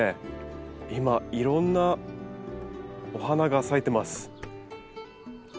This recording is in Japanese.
今いろんなお花が咲いてます。